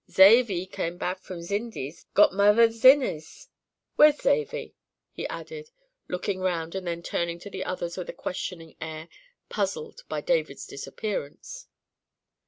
"Zavy come back from z' Indies—got mother's zinnies. Where's Zavy?" he added, looking round and then turning to the others with a questioning air, puzzled by David's disappearance.